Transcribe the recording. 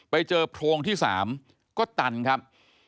ไปเจอโพรงที่๓ก็ตันครับ